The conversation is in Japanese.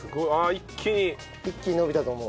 一気に延びたと思う。